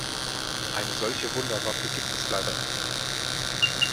Eine solche Wunderwaffe gibt es leider nicht.